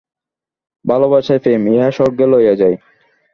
ভালবাসাই প্রেম, ইহা স্বর্গে লইয়া যায়।